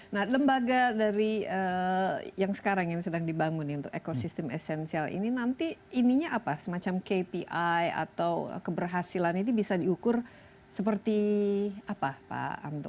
nah lembaga dari yang sekarang yang sedang dibangun untuk ekosistem esensial ini nanti ininya apa semacam kpi atau keberhasilan ini bisa diukur seperti apa pak anto